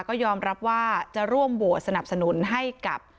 ก็ยอมรับว่าจะร่วมโหวตสนับสนุนให้กับ